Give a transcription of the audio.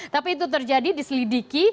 tapi itu terjadi diselidiki